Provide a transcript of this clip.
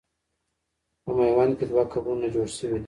په میوند کې دوه قبرونه جوړ سوي دي.